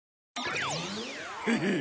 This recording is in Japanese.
ヘヘッ。